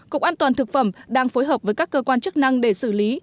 cục an toàn thực phẩm đang phối hợp với các cơ quan chức năng để xử lý